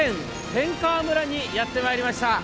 天川村にやってまいりました。